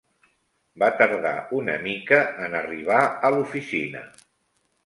Va tardar una mica en arribar a l'oficina.